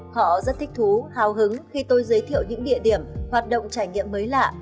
họ rất thích thú hào hứng khi tôi giới thiệu những địa điểm hoạt động trải nghiệm mới lạ